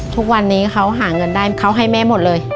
ทุกวันนี้เขาหาเงินได้เขาให้แม่หมดเลย